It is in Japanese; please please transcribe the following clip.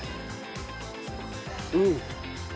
うん！